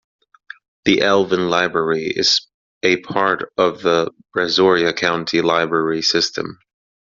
The Alvin Library is a part of the Brazoria County Library System.